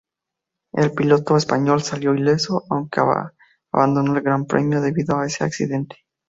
El piloto español salió ileso, aunque abandonó el Gran Premio debido a ese accidente.